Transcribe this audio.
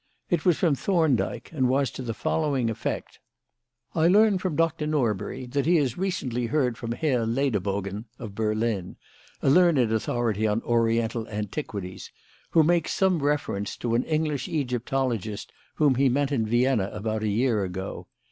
It was from Thorndyke, and was to the following effect: "I learn from Dr. Norbury that he has recently heard from Herr Lederbogen, of Berlin a learned authority on Oriental antiquities who makes some reference to an English Egyptologist whom he met in Vienna about a year ago.